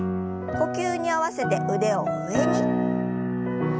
呼吸に合わせて腕を上に。